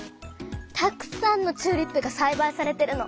たくさんのチューリップがさいばいされてるの。